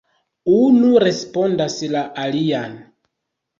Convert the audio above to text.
Unu respondas la alian.